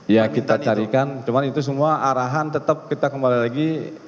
ya kita carikan cuma itu semua arahan tetap kita kembali lagi